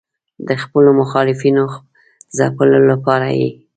د خپلو مخالفینو ځپلو لپاره یې.